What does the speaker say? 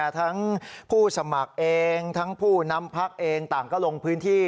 ทั้งผู้สมัครเองทั้งผู้นำพักเองต่างก็ลงพื้นที่